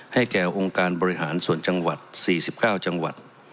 แก่องค์การบริหารส่วนจังหวัด๔๙จังหวัด